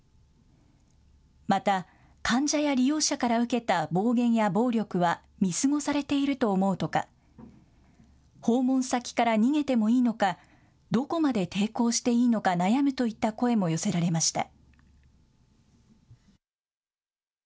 また、患者や利用者から受けた暴言や暴力は見過ごされていると思うとか、訪問先から逃げてもいいのか、どこまで抵抗していいのか悩むといった声も寄せられました。